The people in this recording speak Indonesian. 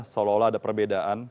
seolah olah ada perbedaan